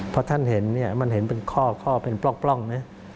พอท่านเห็นเนี่ยมันเห็นเป็นข้อเป็นปล้องนะ